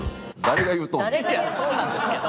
そうなんですけど。